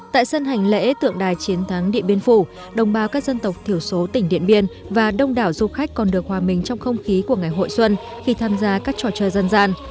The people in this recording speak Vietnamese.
tại sân hành lễ tượng đài chiến thắng điện biên phủ đồng bào các dân tộc thiểu số tỉnh điện biên và đông đảo du khách còn được hòa mình trong không khí của ngày hội xuân khi tham gia các trò chơi dân gian